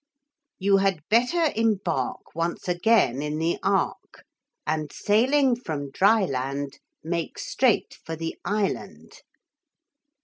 'You had better embark Once again in the Ark, And sailing from dryland Make straight for the Island.'